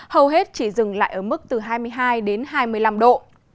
hầu hết chỉ dừng lại ở mức từ hai mươi hai đến hai mươi năm độ